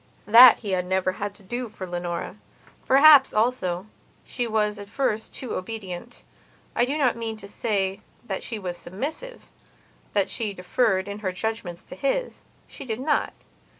That he had never had to do for Leonora. Perhaps, also, she was at first too obedient. I do not mean to say that she was submissivethat she deferred, in her judgements, to his. She did not.